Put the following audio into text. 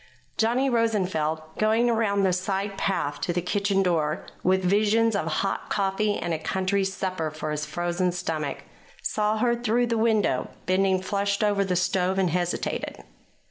Johnny Rosenfeld, going around the side path to the kitchen door with visions of hot coffee and a country supper for his frozen stomach, saw her through the window bending flushed over the stove, and hesitated.